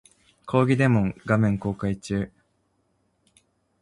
講義デモ画面公開中